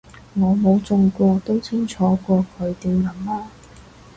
我冇中過都清楚過佢想點啊